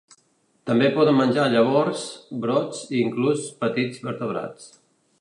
També poden menjar llavors, brots i inclús petits vertebrats.